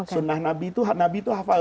sunnah nabi itu hafal